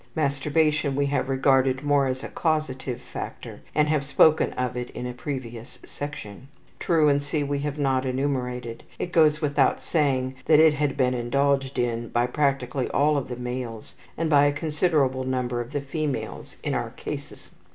Masturbation we have regarded more as a causative factor, and have spoken of it in a previous section. Truancy we have not enumerated. It goes without saying that it had been indulged in by practically all of the males and by a considerable number of the females in our cases.